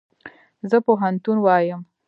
زه پوهنتون وایم